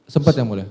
sempat yang boleh